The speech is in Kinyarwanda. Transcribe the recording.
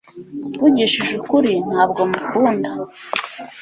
mvugishije ukuri, ntabwo mukunda